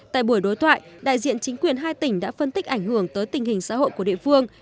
tại buổi đối thoại đại diện chính quyền hai tỉnh đã phân tích ảnh hưởng tới tình hình xã hội của địa phương